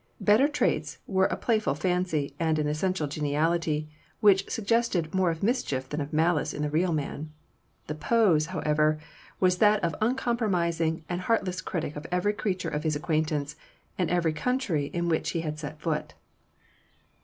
Better traits were a playful fancy and an essential geniality which suggested more of mischief than of malice in the real man; the pose, however, was that of uncompromising and heartless critic of every creature of his acquaintance, and every country in which he had set foot.